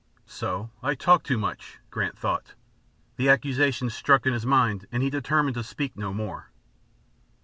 "So! I talk too much," Grant thought. The accusation struck in his mind and he determined to speak no more.